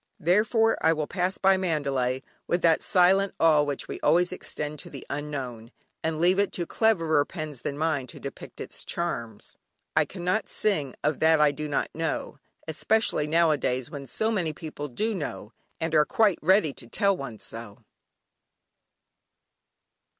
Therefore I will pass by Mandalay with that silent awe which we always extend to the Unknown, and leave it to cleverer pens than mine to depict its charms. "I cannot sing of that I do not know," especially nowadays when so many people do know, and are quite ready to tell one so.